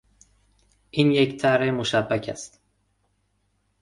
این یک طرح مشبک است